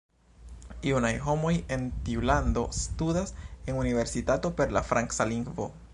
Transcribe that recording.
Junaj homoj en tiu lando studas en universitato per la franca lingvo.